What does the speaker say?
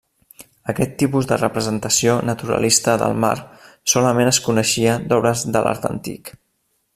Aquest tipus de representació naturalista del mar solament es coneixia d'obres a l'art antic.